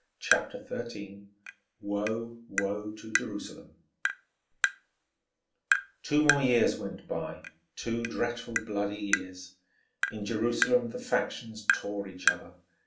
CHAPTER XIII WOE, WOE TO JERUSALEM Two more years went by, two dreadful, bloody years. In Jerusalem the factions tore each other.